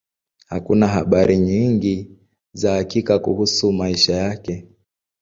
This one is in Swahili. Hakuna habari nyingi za hakika kuhusu maisha yake.